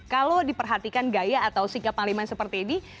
kalau diperhatikan gaya atau sikap pangliman seperti ini